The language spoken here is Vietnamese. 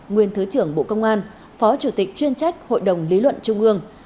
nguyên thứ trưởng bộ công an phó chủ tịch chuyên trách hội đồng lý luận trung ương